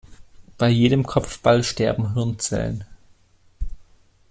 Bei jedem Kopfball sterben Hirnzellen.